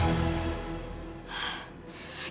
ya udah sekarang gini aja deh